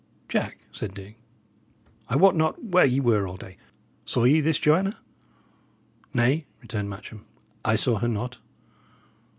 "Jack," said Dick, "I wot not where ye were all day. Saw ye this Joanna?" "Nay," returned Matcham, "I saw her not."